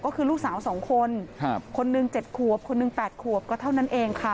ก็คือลูกสาว๒คนคนหนึ่ง๗ขวบคนหนึ่ง๘ขวบก็เท่านั้นเองค่ะ